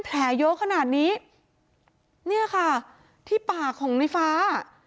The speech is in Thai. แผลเยอะขนาดนี้เนี่ยค่ะที่ปากของในฟ้า